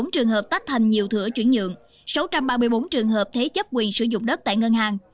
sáu mươi bốn trường hợp tắt thành nhiều thửa chuyển nhượng sáu trăm ba mươi bốn trường hợp thế chấp quyền sử dụng đất tại ngân hàng